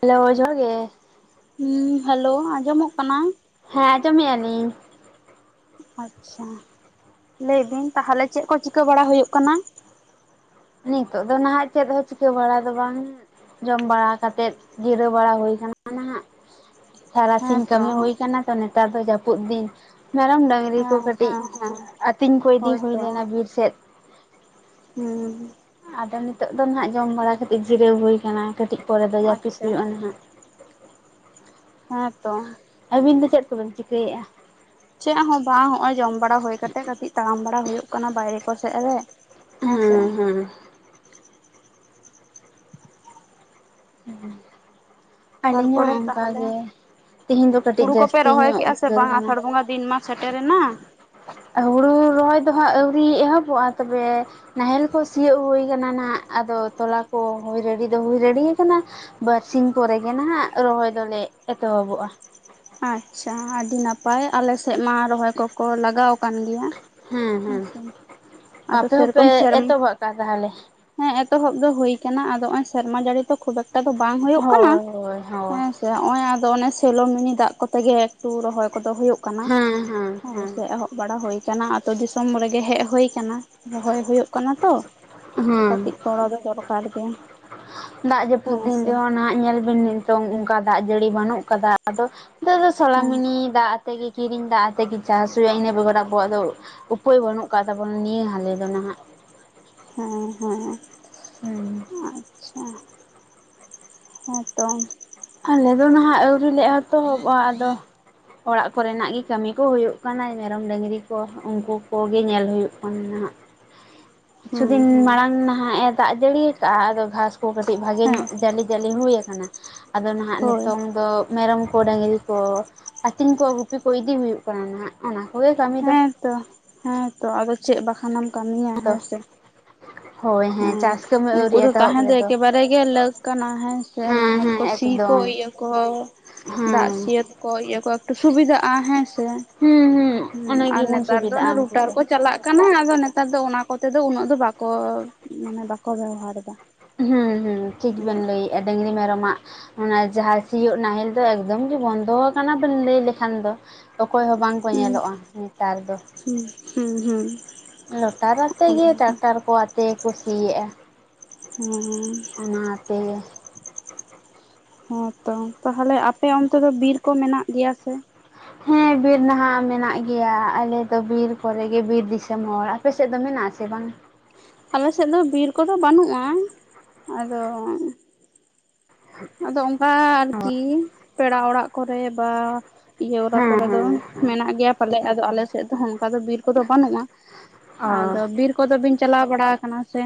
Hello ᱡᱚᱦᱟᱨ ᱜᱮ᱾ ᱦᱩᱸ ᱦᱮᱞᱳ ᱟᱸᱡᱚᱢᱚᱜ ᱠᱟᱱᱟ, ᱦᱮᱸ ᱟᱸᱡᱚᱢᱮᱜ ᱟ ᱞᱤᱧ ᱟᱪᱪᱷᱟ ᱞᱟᱹᱭ ᱵᱤᱝ ᱛᱟᱦᱚᱞᱮ ᱪᱮᱫ ᱠᱚ ᱪᱤᱠᱟᱹ ᱵᱟᱲᱟ ᱦᱩᱭᱩᱜ ᱠᱟᱱᱟ, ᱱᱤᱛᱚᱜ ᱫᱚ ᱱᱟᱦᱟᱜ ᱪᱮᱫ ᱦᱚᱸ ᱪᱤᱠᱟᱹ ᱵᱟᱲᱟ ᱫᱚ ᱵᱟᱝ, ᱡᱚᱢ ᱵᱟᱲᱟ ᱠᱟᱛᱮᱫ ᱡᱤᱨᱟᱹᱣ ᱵᱟᱲᱟ ᱦᱩᱭ ᱠᱟᱱᱟ, ᱚᱱᱟᱦᱟᱜ ᱦᱮᱸ ᱛᱟᱨᱟᱥᱤᱧ ᱛᱚ ᱠᱟᱹᱢᱤ ᱦᱩᱭ ᱠᱟᱱᱟ ᱛᱚ ᱱᱮᱛᱟᱨ ᱫᱚ ᱡᱟᱹᱯᱩᱫ ᱫᱤᱱ ᱢᱮᱨᱚᱢ ᱰᱟᱹᱝᱨᱤ, ᱜᱟᱹᱭ ᱠᱚ ᱦᱮᱸ ᱠᱟᱹᱴᱤᱡ ᱦᱮᱸ ᱦᱮᱸ ᱟᱹᱛᱤᱧ ᱠᱚᱸ ᱤᱫᱤ ᱦᱩᱭ ᱦᱳᱭᱛᱚ ᱞᱮᱱᱟ ᱵᱤᱨ ᱥᱮᱫ ᱦᱩᱸ ᱟᱫᱚ ᱱᱤᱛᱚᱜ ᱫᱚ ᱱᱟᱦᱟᱜ ᱡᱚᱢ ᱵᱟᱲᱟ ᱠᱟᱛᱮᱜ ᱡᱤᱨᱟᱹᱣ ᱦᱩᱭ ᱠᱟᱱᱟ ᱠᱟᱹᱴᱤᱡ ᱯᱚᱨᱮ ᱫᱚ ᱡᱟᱹᱯᱤᱫ ᱟᱪᱪᱷᱟ ᱦᱩᱭᱩᱜᱼᱟ ᱱᱟᱦᱟᱜ, ᱦᱮᱸᱛᱚ ᱟᱹᱵᱤᱱ ᱫᱚ ᱪᱮᱫ ᱠᱚᱵᱤᱱ ᱪᱤᱠᱟᱹᱭᱮᱫᱼᱟ, ᱪᱮᱫ ᱦᱚᱸ ᱵᱟᱝ ᱱᱚᱼᱚᱭ ᱡᱚᱢ ᱵᱟᱲᱟ ᱦᱩᱭ ᱠᱟᱛᱮᱜ ᱠᱟᱹᱴᱤᱡ ᱛᱟᱲᱟᱢ ᱵᱟᱲᱟ ᱦᱳᱭᱳᱜ ᱠᱟᱱᱟ ᱵᱟᱭᱨᱮ ᱠᱚ ᱥᱮᱫ ᱨᱮ, ᱦᱮᱸᱥᱮ ᱦᱩᱸ ᱦᱩᱸ, ᱦᱩᱸ ᱟᱹᱞᱤᱧ ᱦᱚᱸ ᱛᱟᱨᱯᱚᱨᱮ ᱛᱟᱦᱚᱞᱮ ᱚᱱᱠᱟᱜᱮ ᱛᱤᱦᱤᱧ ᱫᱚ ᱠᱟᱹᱴᱤᱡ ᱦᱩᱲᱩ ᱠᱚᱯᱮ ᱨᱚᱦᱚᱭ ᱡᱟᱹᱥᱛᱤᱧᱚᱜ ᱠᱮᱜᱼᱟ ᱥᱮ ᱩᱫᱽᱜᱟᱹᱨ ᱵᱟᱝ ᱠᱟᱱᱟ, ᱟᱥᱟᱲ ᱵᱚᱸᱜᱟ ᱫᱤᱱ ᱢᱟ ᱥᱮᱴᱮᱨᱮᱱᱟ, ᱦᱩᱲᱩ ᱨᱚᱦᱚᱭ ᱫᱚ ᱦᱟᱸᱜ ᱟᱹᱣᱨᱤ ᱮᱦᱚᱵᱚᱜᱼᱟ ᱛᱚᱵᱮ, ᱱᱟᱦᱮᱞ ᱠᱚ ᱥᱤᱭᱳᱜ ᱦᱩᱭ ᱠᱟᱱᱟ ᱱᱟᱱᱟᱜ ᱟᱫᱚ ᱛᱚᱞᱟ ᱠᱚ ᱦᱩᱭ ᱨᱮᱰᱤ ᱫᱚ ᱦᱩᱭ ᱨᱮᱰᱤᱭᱟᱠᱟᱱᱟ, ᱵᱟᱨᱥᱤᱧ ᱯᱚᱨᱮᱜᱮ ᱱᱟᱦᱟᱜ ᱨᱚᱦᱚᱭ ᱫᱚᱞᱮ ᱮᱛᱚᱦᱚᱵᱚᱜᱼᱟ, ᱟᱪᱪᱷᱟ ᱟᱹᱰᱤ ᱱᱟᱯᱟᱭ ᱟᱞᱮᱥᱮᱫ ᱢᱟ, ᱨᱚᱦᱚᱭ ᱠᱚᱠᱚ ᱞᱟᱜᱟᱣ ᱟᱠᱟᱱ ᱜᱮᱭᱟ ᱦᱮᱸ ᱦᱮᱸ ᱟᱪᱪᱷᱟ, ᱟᱯᱮ ᱦᱚᱸᱯᱮ ᱮᱛᱚᱦᱚᱵᱟᱜ ᱠᱟᱫ ᱟ ᱛᱟᱦᱚᱞᱮ, ᱦᱮᱸ ᱮᱛᱚᱦᱚᱵ ᱫᱚ ᱦᱳᱭ ᱟᱠᱟᱱᱟ ᱟᱫᱚ ᱱᱚᱼᱚᱚᱭ ᱥᱮᱨᱢᱟ ᱡᱟᱹᱲᱤ ᱫᱚ ᱠᱷᱩᱵ ᱮᱠᱴᱟ ᱫᱚ ᱵᱟᱝ ᱦᱩᱭᱩᱜ ᱠᱟᱱᱟ ᱦᱳᱭ ᱦᱳᱭ ᱦᱳᱭ ᱦᱮᱸᱥᱮ ᱥᱮ ᱱᱚᱜ ᱚᱭ ᱟᱫᱚ ᱚᱱᱮ ᱥᱮᱞᱳ ᱢᱤᱱᱤ ᱫᱟᱜ ᱠᱚᱛᱮ ᱜᱮ ᱮᱠᱴᱩ ᱨᱚᱦᱚᱭ ᱠᱚᱫᱚ ᱦᱳᱭᱳᱜ᱾ ᱠᱟᱱᱟ ᱦᱮᱸ ᱦᱮᱸ ᱦᱳᱭ ᱦᱮᱸ ᱥᱮ ᱮᱦᱚᱵ ᱵᱟᱲᱟ ᱦᱭᱭ ᱟᱠᱟᱱᱟ ᱟᱛᱳ ᱫᱤᱥᱚᱢ ᱨᱮᱜᱮ ᱦᱮᱡ ᱦᱳᱭ ᱠᱟᱱᱟ᱾ ᱨᱚᱦᱚᱭ ᱦᱳᱭᱳᱜ ᱠᱟᱱᱟ ᱛᱚ ᱦᱮᱸ ᱠᱟᱹᱴᱤᱡ ᱜᱚᱲᱚ ᱫᱚ ᱫᱚᱨᱠᱟᱨ ᱜᱮ᱾ ᱫᱟᱜ ᱡᱟᱹᱯᱩᱫ ᱦᱮᱸ ᱫᱤᱱ ᱥᱮ ᱨᱮᱦᱚᱸ ᱱᱟᱦᱟᱜ ᱧᱮᱞ ᱵᱤᱱ ᱱᱤᱛᱚᱝ ᱚᱱᱠᱟ ᱫᱟᱜ ᱡᱟᱹᱲᱤ ᱵᱟᱹᱱᱩᱜ ᱠᱟᱫᱟ ᱟᱫᱚ ᱱᱤᱛᱚᱜ ᱫᱚ ᱦᱮᱸ ᱥᱚᱞᱟᱢᱤᱱᱤ ᱫᱟᱜ ᱟᱛᱮᱜᱮ ᱠᱤᱨᱤᱧ ᱫᱟᱜ ᱟᱛᱮᱜᱮ ᱪᱟᱥ ᱦᱳᱭᱩᱜᱼᱟ ᱤᱱᱟᱹ ᱵᱮᱜᱚᱨ ᱟᱵᱚᱣᱟᱜ ᱫᱚ ᱩᱯᱟᱹᱭ ᱵᱟᱹᱱᱩᱜ ᱠᱟᱫ ᱛᱟᱵᱚᱱᱟ ᱱᱤᱭᱟᱹ ᱦᱟᱞᱮ ᱫᱚ ᱱᱷᱟᱜ᱾ ᱦᱮᱸ ᱦᱮᱸ ᱦᱩᱸ ᱟᱪᱪᱷᱟ᱾, ᱦᱮᱸᱛᱚ᱾ ᱟᱞᱮ ᱫᱚ ᱱᱟᱦᱟᱜ ᱟᱹᱣᱨᱤᱞ ᱞᱮ ᱮᱛᱚᱦᱚᱵᱚᱜᱼᱟ ᱟᱫᱚ᱾ ᱚᱲᱟᱜ ᱠᱚᱨᱮᱱᱟᱜ ᱜᱮ ᱠᱟᱹᱢᱤ ᱠᱚ ᱦᱩᱭᱩᱜ ᱠᱟᱱᱟ ᱢᱮᱨᱚᱢ ᱰᱟᱹᱝᱨᱤ ᱠᱚ ᱩᱱᱠᱩ ᱠᱚᱜᱮ ᱧᱮᱞ ᱦᱩᱭᱩᱜ ᱠᱟᱱᱟ ᱱᱟᱜᱷ᱾ ᱠᱤᱪᱷᱩ ᱦᱩᱸ ᱫᱤᱱ ᱦᱩᱸ ᱢᱟᱲᱟᱝ ᱱᱟᱦᱟᱜ ᱮ ᱫᱟᱜ ᱡᱟᱹᱲᱤ ᱠᱟᱜᱼᱟ ᱟᱫᱚ ᱜᱷᱟᱸᱥ ᱠᱚ ᱠᱟᱹᱴᱤᱡ ᱵᱷᱟᱜᱮ ᱦᱮᱸ ᱧᱚᱜ ᱡᱟᱹᱞᱤ ᱡᱟᱹᱞᱤ ᱦᱩᱭᱟᱠᱟᱱᱟ ᱟᱫᱚ ᱱᱟᱦᱟᱜ ᱦᱳᱭ ᱱᱤᱛᱚᱝ ᱫᱚ ᱢᱮᱨᱚᱢ ᱠᱚ ᱰᱟᱹᱝᱨᱤ ᱠᱚ ᱟᱹᱛᱤᱧ ᱠᱚ ᱜᱩᱯᱤ ᱠᱚ ᱤᱫᱤ ᱦᱩᱭᱩᱜ ᱠᱟᱱᱟ ᱱᱟᱟᱜ ᱚᱱᱟ ᱠᱚᱜᱮ ᱠᱟᱹᱢᱤ ᱫᱚ᱾ ᱦᱮᱸ ᱛᱚ ᱦᱮᱸ ᱛᱚ ᱟᱫᱚ ᱪᱮᱫ ᱵᱟᱠᱷᱟᱱᱮᱢ ᱠᱟᱹᱢᱤᱭᱟ ᱟᱫᱚ ᱦᱮᱸ ᱥᱮ᱾ [unintelligible] ᱦᱮᱸ ᱪᱟᱥ ᱠᱟᱹᱢᱤ ᱩᱱᱠᱩ ᱟᱹᱣᱨᱤ ᱫᱚ ᱮᱛᱚᱦᱚᱵ ᱛᱟᱦᱮᱸ ᱫᱚ ᱨᱮᱫᱚ ᱮᱠᱮᱵᱟᱨᱮ ᱜᱮ ᱞᱟᱹᱠ ᱠᱟᱱᱟ ᱦᱮᱸ ᱥᱮ ᱱᱟᱦᱮᱞ ᱦᱮᱸ ᱠᱚ ᱥᱤ ᱠᱚ ᱮᱠᱫᱚᱢ ᱤᱭᱟ ᱠᱚ ᱫᱟᱜ ᱦᱮᱸ ᱥᱤᱭᱟᱹᱛ ᱠᱚ ᱤᱭᱟᱹ ᱠᱚ ᱮᱠᱴᱩ ᱥᱩᱵᱤᱫᱷᱟᱜᱼᱟ ᱦᱮᱸ ᱥᱮ᱾ ᱦᱩᱸ ᱦᱩᱸ᱾ ᱦᱩ ᱚᱱᱟ ᱟᱨ ᱜᱮᱵᱚᱱ ᱱᱮᱛᱟᱨ ᱫᱚ ᱥᱩᱵᱤᱫᱷᱟᱜᱼᱟ ᱩᱱᱠᱩ ᱨᱩᱴᱟᱨ ᱛᱮ ᱠᱚ ᱪᱟᱞᱟᱜ ᱠᱟᱱᱟ ᱟᱫᱚ ᱱᱮᱛᱟᱨ ᱫᱚ ᱚᱱᱟ ᱠᱚᱛᱮ ᱫᱚ ᱩᱱᱟᱹᱜ ᱫᱚ ᱵᱟᱠᱚ ᱢᱟᱱᱮ ᱵᱟᱠᱚ ᱵᱮᱣᱦᱟᱨ ᱮᱫᱟ᱾ ᱦᱩᱸ ᱦᱩᱸ ᱴᱷᱤᱠ ᱵᱤᱱ ᱢᱮᱱ ᱞᱟᱹᱭᱮᱜ ᱟ ᱰᱟᱹᱝᱨᱤ ᱢᱮᱨᱚᱢ ᱟᱜ᱾ ᱚᱱᱟ ᱡᱟᱦᱟᱸ ᱥᱤᱭᱳᱜ ᱱᱟᱦᱮᱞ ᱫᱚ ᱮᱠᱫᱚᱢ ᱜᱮ ᱵᱚᱱᱫᱚ ᱟᱠᱟᱱᱟ ᱵᱮᱱ ᱞᱟᱹᱭ ᱞᱮᱠᱷᱟᱱ ᱫᱚ᱾ ᱚᱠᱚᱭ ᱦᱚᱸ ᱵᱟᱝᱠᱚ ᱦᱩᱸ ᱧᱮᱞᱚᱜᱼᱟ ᱱᱮᱛᱟᱨ ᱫᱚ᱾ ᱦᱩᱸ ᱦᱩᱸ ᱦᱩᱸ ᱞᱚᱴᱟᱨ ᱟᱛᱮ ᱚᱱᱮ ᱜᱮ ᱚᱱᱠᱟ ᱴᱟᱠᱴᱟᱨ ᱠᱚ ᱟᱛᱮ ᱜᱮᱠᱚ ᱥᱤ ᱭᱮᱜᱼᱟ᱾ ᱦᱩᱸᱻ ᱚᱱᱟᱛᱮ᱾ ᱦᱮᱸ ᱛᱚ ᱛᱟᱦᱚᱞᱮ ᱟᱯᱮ ᱚᱱᱛᱮ ᱫᱚ ᱵᱤᱨ ᱠᱚ ᱢᱮᱱᱟᱜ ᱜᱮᱭᱟ ᱥᱮ᱾ ᱦᱮᱸ ᱵᱤᱨ ᱱᱟᱜᱷ ᱢᱮᱱᱟᱜ ᱜᱮᱭᱟ ᱟᱞᱮᱫᱚ ᱵᱤᱨ ᱠᱚᱨᱮ ᱜᱮ ᱵᱤᱨ ᱫᱤᱥᱚᱢ ᱦᱚᱲ᱾ ᱟᱯᱮᱥᱮᱫ ᱫᱚ ᱢᱮᱱᱟᱜ ᱟᱥᱮ ᱵᱟᱝ? ᱟᱞᱮᱥᱮᱫ ᱫᱚ ᱵᱤᱨ ᱠᱚᱫᱚ ᱵᱟᱹᱱᱩᱜᱼᱟ ᱟᱫᱚ᱾ ᱟᱫᱚ ᱚᱱᱠᱟ ᱟᱨᱠᱤ ᱯᱮᱲᱟ ᱚᱲᱟᱜ ᱠᱚᱨᱮ ᱵᱟ ᱤᱭᱟᱹ ᱚᱨᱟ ᱦᱮᱸ ᱠᱚᱨᱮ ᱫᱚ ᱦᱮᱸ ᱦᱮᱸ ᱢᱮᱱᱟᱜ ᱜᱮᱭᱟ ᱯᱟᱞᱮ ᱟᱫᱚ ᱟᱞᱮ ᱥᱮᱫ ᱫᱚ ᱚᱱᱠᱟ ᱫᱚ ᱵᱤᱨ ᱠᱚᱫᱚ ᱵᱟᱹᱱᱩᱜᱼᱟ᱾ ᱚ ᱟᱫᱚ ᱵᱤᱨ ᱠᱚᱫᱚ ᱵᱤᱱ ᱪᱟᱞᱟᱣ ᱵᱟᱲᱟ ᱟᱠᱟᱱᱟ ᱥᱮ?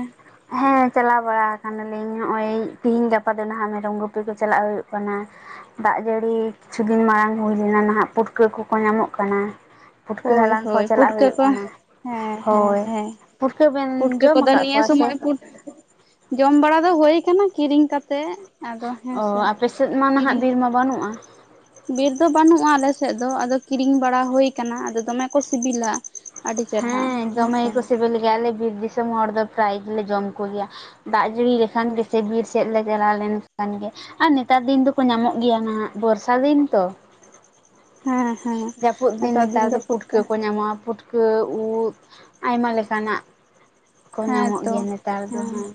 ᱦᱮᱸ ᱪᱟᱞᱟᱣ ᱵᱟᱲᱟ ᱟᱠᱟᱱᱟᱞᱤᱧ ᱱᱚᱜᱼᱚᱭ ᱛᱤᱦᱤᱧ ᱜᱟᱯᱟ ᱫᱚ ᱱᱟᱦᱟᱜ ᱢᱮᱨᱚᱢ ᱜᱩᱯᱤ ᱠᱚ ᱪᱟᱞᱟᱜ ᱦᱩᱭᱩᱜ ᱠᱟᱱᱟ᱾ ᱫᱟᱜ ᱡᱟᱹᱲᱤ ᱠᱤᱪᱷᱩ ᱫᱤᱱ ᱢᱟᱲᱟᱝ ᱦᱩᱭ ᱞᱮᱱᱟ ᱱᱟᱜᱷ ᱯᱩᱴᱠᱟᱹ ᱠᱚᱠᱚ ᱧᱟᱢᱚᱜ ᱠᱟᱱᱟ᱾ ᱯᱩᱴᱠᱟᱹ ᱦᱳᱭ ᱦᱟᱞᱟᱝ ᱠᱚ ᱦᱳᱭ ᱪᱟᱞᱟᱜ ᱯᱩᱴᱠᱟᱹ ᱦᱩᱭᱩᱜ ᱠᱚ ᱠᱟᱱᱟ, ᱦᱮᱸ ᱦᱮᱸ ᱦᱳᱭ᱾ ᱦᱮᱸ ᱯᱩᱴᱠᱟᱹ ᱵᱤᱱ ᱯᱩᱴᱠᱟᱹ ᱡᱚᱢ ᱠᱚᱫᱚ ᱟᱠᱟᱫ ᱱᱤᱭᱟᱹ ᱠᱚᱣᱟ ᱥᱮ? ᱥᱚᱢᱚᱭ ᱯᱩᱴ ᱡᱚᱢ ᱵᱟᱲᱟ ᱫᱚ ᱦᱳᱭ ᱟᱠᱟᱱᱟ ᱠᱤᱨᱤᱧ ᱠᱟᱛᱮᱜ᱾ ᱟᱫᱚ ᱚ ᱦᱮᱸᱥᱮ ᱟᱯᱮ ᱥᱮᱫ ᱢᱟ ᱱᱟᱜᱷ ᱠᱤᱨᱤᱧ ᱵᱤᱨ ᱢᱟ ᱵᱟᱹᱱᱩᱜᱼᱟ᱾ ᱵᱤᱨ ᱫᱚ ᱵᱟᱹᱱᱩᱜᱼᱟ ᱟᱞᱮᱥᱮᱫ ᱫᱚ ᱟᱫᱚ ᱠᱤᱨᱤᱧ ᱵᱟᱲᱟ ᱦᱳᱭ ᱠᱟᱱᱟ ᱟᱫᱚ ᱫᱚᱢᱮ ᱠᱚ ᱥᱤᱵᱤᱞᱟ᱾ ᱟᱹᱰᱤ ᱪᱮᱨᱦᱟ ᱦᱮᱸ ᱫᱚᱢᱮ ᱦᱮᱸᱥᱮ ᱜᱮᱠᱚ ᱥᱮᱵᱮᱞ ᱜᱮᱭᱟ ᱟᱞᱮ ᱵᱤᱨ ᱫᱤᱥᱚᱢ ᱦᱚᱲ ᱫᱚ ᱯᱨᱟᱭᱤᱡᱽ ᱜᱮᱞᱮ ᱡᱚᱢ ᱠᱚᱜᱮᱭᱟ᱾ ᱫᱟᱜ ᱡᱟᱹᱲᱤ ᱞᱮᱠᱷᱟᱱ ᱜᱮᱥᱮ ᱵᱤᱨ ᱥᱮᱫ ᱞᱮ ᱪᱟᱞᱟᱣ ᱞᱮᱠᱷᱟᱱ ᱜᱮ᱾ ᱟᱨ ᱱᱮᱛᱟᱨ ᱫᱤᱱ ᱫᱚᱠᱚ ᱧᱟᱢᱚᱜ ᱜᱮᱭᱟ ᱱᱟᱜᱷ ᱵᱚᱨᱥᱟ ᱫᱤᱱ ᱛᱚ᱾ ᱦᱮᱸ ᱦᱮᱸ ᱡᱟᱹᱯᱩᱫ ᱫᱤᱱ ᱱᱮᱛᱟᱨ ᱫᱚ ᱯᱩᱴᱠᱟᱹ ᱠᱚ ᱧᱟᱢᱚᱜᱼᱟ, ᱯᱩᱴ ᱯᱩᱴᱠᱟᱹ ᱩᱫ ᱟᱭᱢᱟ ᱞᱮᱠᱟᱱᱟᱜ ᱠᱚ ᱦᱮᱸ ᱧᱟᱢᱚᱜ ᱛᱚ ᱜᱮᱭᱟ ᱱᱮᱛᱟᱨ ᱫᱚ ᱦᱮᱸ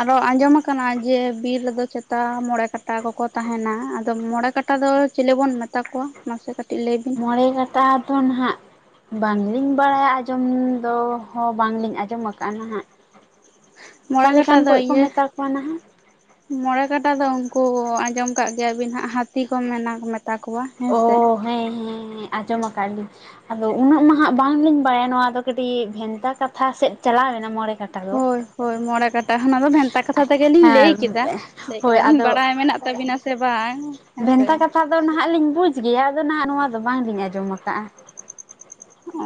ᱟᱨᱚ ᱟᱸᱡᱚᱢ ᱟᱠᱟᱱᱟ ᱡᱮ ᱵᱤᱨ ᱨᱮᱫᱚ ᱪᱮᱛᱟ ᱢᱚᱬᱮ ᱠᱟᱴᱟ ᱠᱚᱠᱚ ᱛᱟᱸᱦᱮᱱᱟ᱾ ᱟᱫᱚ ᱢᱚᱬᱮ ᱠᱟᱴᱟ ᱠᱟᱴᱟ ᱫᱚ ᱪᱮᱞᱮ ᱵᱚᱱ ᱢᱮᱛᱟ ᱠᱚᱣᱟ? ᱢᱟᱥᱮ ᱠᱟᱹᱴᱤᱡ ᱞᱟᱹᱭ ᱵᱤᱱ ᱢᱚᱬᱮ ᱠᱟᱴᱟ ᱫᱚ ᱱᱷᱟᱜ᱾ ᱵᱟᱝᱞᱤᱧ ᱵᱟᱲᱟᱭᱟ ᱟᱸᱡᱚᱢ ᱫᱚ ᱦᱚ ᱵᱟᱝᱞᱤᱧ ᱟᱸᱡᱚᱢᱟ ᱟᱠᱟᱫᱼᱟ ᱦᱟᱸᱜ ᱢᱚᱬᱮ ᱠᱟᱴᱟ ᱚᱠᱟᱞᱮᱠᱟᱱ ᱫᱚ ᱠᱚᱡ ᱠᱚ ᱤᱭᱟᱹ ᱢᱮᱛᱟ ᱠᱚᱣᱟ ᱱᱟᱦᱟᱜ ᱢᱚᱬᱮ ᱠᱟᱴᱟ ᱫᱚ ᱩᱱᱠᱩ ᱟᱸᱡᱚᱢ ᱠᱟᱜ ᱜᱮᱭᱟᱵᱤᱱ ᱦᱟᱸᱜ ᱦᱟᱹᱛᱤ ᱠᱚ ᱢᱮᱱᱟ ᱢᱮᱛ ᱳ ᱦᱮᱸ ᱦᱮᱸ ᱦᱮᱸ ᱟᱸᱡᱚᱢᱟ ᱟᱠᱟᱫ ᱞᱤᱧ᱾ ᱟᱫᱚ ᱩᱱᱟᱹᱜ ᱢᱟ ᱦᱟᱸᱜ ᱵᱟᱝᱞᱤᱧ ᱵᱟᱲᱟᱭᱟ ᱱᱚᱣᱟ ᱫᱚ ᱠᱟᱹᱴᱤᱡ ᱵᱷᱮᱱᱛᱟ ᱠᱟᱛᱷᱟ ᱥᱮᱫ ᱪᱟᱞᱟᱣ ᱮᱱᱟ ᱢᱚᱬᱮ ᱠᱟᱴᱟ ᱫᱚ ᱦᱳᱭ ᱦᱳᱭ ᱢᱚᱬᱮ ᱠᱟᱴᱟ ᱚᱱᱟ ᱫᱚ ᱵᱷᱮᱱᱛᱟ ᱠᱟᱛᱷᱟ ᱛᱮᱜᱮᱞᱤᱧ ᱞᱟᱹᱭ ᱦᱮᱸ ᱠᱮᱫᱟ᱾ ᱞᱟᱹᱭ ᱦᱳᱭ ᱠᱮᱫᱟᱞᱤᱧ ᱟᱫᱚ ᱵᱟᱲᱟᱭ ᱢᱮᱱᱟᱜ ᱛᱟᱵᱤᱱᱟ ᱥᱮ ᱵᱟᱝ? ᱦᱮᱸᱥᱮ ᱵᱷᱮᱱᱛᱟ ᱠᱟᱛᱷᱟ ᱫᱚ ᱱᱟᱦᱟᱸᱜ ᱞᱤᱧ ᱵᱩᱡ ᱜᱮᱭᱟ ᱟᱫᱚ ᱱᱟᱦᱟᱜ ᱱᱚᱣᱟ ᱫᱚ ᱵᱟᱝᱞᱤᱧ ᱟᱸᱡᱚᱢ ᱟᱠᱟᱜᱼᱟ᱾ ᱚ